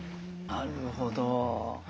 なるほど。